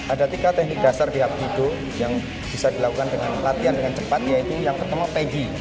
ada tiga teknik dasar di aplido yang bisa dilakukan dengan latihan dengan cepat yaitu yang ketemu peggy